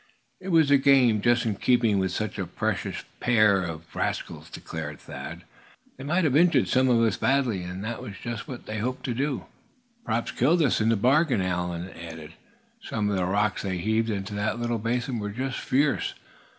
"It was a game just in keeping with such a precious pair of rascals," declared Thad. "They might have injured some of us badly; and that was just what they hoped to do." "Perhaps killed us in the bargain," Allan added. "Some of the rocks they heaved into that little basin were just fierce.